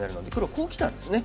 こうきたんですね。